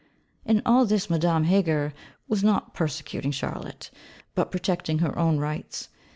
In all this Madame Heger was not persecuting Charlotte, but protecting her own rights.